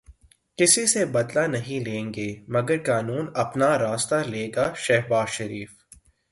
کسی سے بدلہ نہیں لیں گے مگر قانون اپنا راستہ لے گا، شہباز شریف